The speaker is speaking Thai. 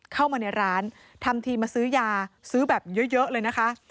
เข้ามาในร้านทำทีมาซื้อยาซื้อแบบเยอะเลยนะคะ